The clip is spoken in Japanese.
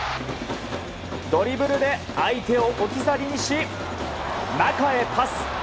ドリブルで相手を置き去りにし中へパス。